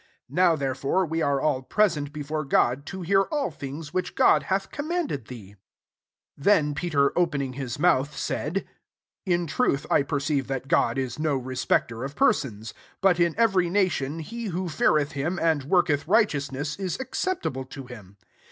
Now therefore we are all present be fore Grod, to hear alt things which God hath commanded thee." 34 Then Peter opmiing his mouth, said, " In truth I per ceive that God is no r^pecter of persons ; 35 but in evay na tion, he who feareth him, and worketh righteousness, is ac ceptable to him.